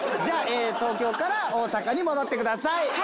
じゃあ東京から大阪に戻ってください。